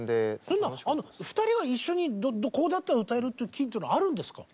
変な話２人が一緒にここだったら歌えるっていうキーっていうのはあるんですか？